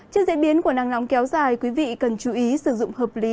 trước diễn biến của nắng nóng kéo dài quý vị cần chú ý sử dụng hợp lý